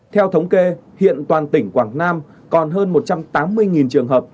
theo thống kê hiện toàn tỉnh quảng nam còn hơn một trăm tám mươi trường hợp